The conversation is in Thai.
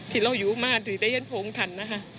ที่เราอยู่มาถึงได้ยินโพงทัน